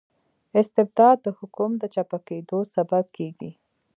استبداد د حکوم د چپه کیدو سبب کيږي.